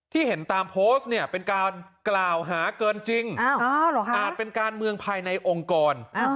เห็นตามโพสต์เนี่ยเป็นการกล่าวหาเกินจริงอาจเป็นการเมืองภายในองค์กร